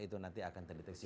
itu nanti akan terdeteksi